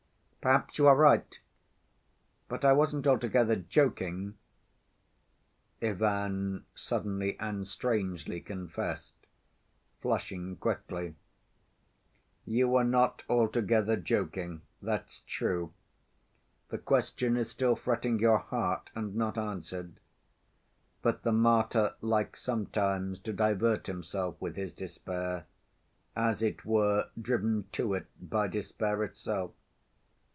"Perhaps you are right! ... But I wasn't altogether joking," Ivan suddenly and strangely confessed, flushing quickly. "You were not altogether joking. That's true. The question is still fretting your heart, and not answered. But the martyr likes sometimes to divert himself with his despair, as it were driven to it by despair itself.